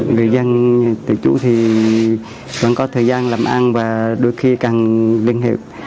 người dân tự chủ thì vẫn có thời gian làm ăn và đôi khi càng liên hiệp